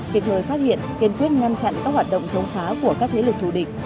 kịp thời phát hiện kiên quyết ngăn chặn các hoạt động chống phá của các thế lực thù địch